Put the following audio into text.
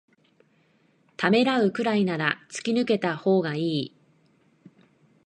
ためらうくらいなら突き抜けたほうがいい